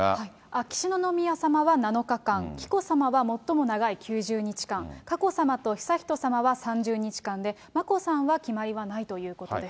秋篠宮さまは７日間、紀子さまは最も長い９０日間、佳子さまと悠仁さまは３０日間で、眞子さんは決まりがないということです。